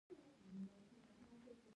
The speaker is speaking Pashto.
زده کړه نجونو ته د عدالت غوښتنې جرات ورکوي.